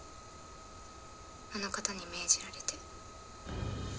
あの方に命じられて。